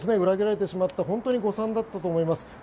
裏切られてしまった本当に誤算だったと思います。